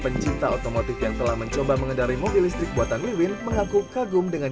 pencinta otomotif yang telah mencoba mengendari mobil listrik buatan wiwin mengaku kagum dengan